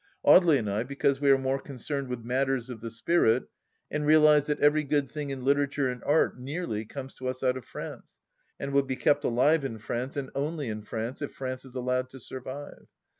Audely and I because we are more con cerned with matters of the spirit, and realize that every good thing in Literature and Art, nearly, comes to us out of France, and will be kept alive in France and only in France, if France is allowed to survive.